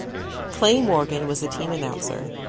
Clay Morgan was the team announcer.